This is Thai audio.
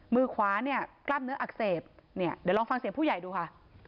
มือขวาเนี่ยกล้ามเนื้ออักเสบเนี่ยเดี๋ยวลองฟังเสียงผู้ใหญ่ดูค่ะ